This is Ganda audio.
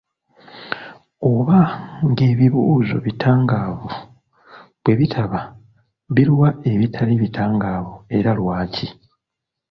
Oba ng’ebibuuzo bitangaavu; bwe bitaba, biruwa ebitali bitangaavu era lwaki?